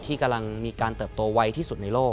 ที่กำลังมีการเติบโตไวที่สุดในโลก